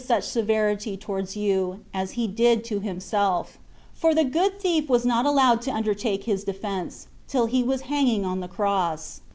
such severity towards you, as He did to Himself; for the good thief was not allowed to undertake His defence ; till He was hanging on the cross.